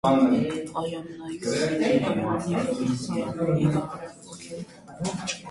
Her nephews were also indicted on conspiracy charges, one pleaded guilty.